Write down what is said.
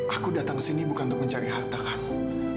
aku datang ke sini bukan untuk mencari harta aku